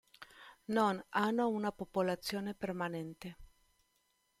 Non hanno una popolazione permanente.